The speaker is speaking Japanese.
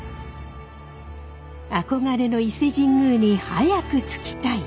憧れの伊勢神宮に早く着きたい。